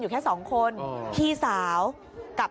เย็นไปอยู่บ้านตะวันดีเลย